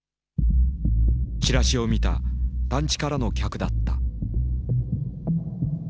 チラシを見た団地からの客だった。